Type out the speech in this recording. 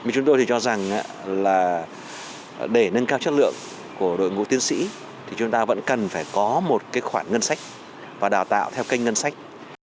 chúng tôi thì cho rằng là để nâng cao chất lượng của đội ngũ tiến sĩ thì chúng ta vẫn cần phải có một khoản ngân sách và đào tạo theo kênh ngân sách